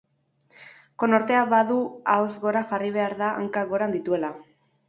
Konortea badu ahoz gora jarri behar da hankak goran dituela.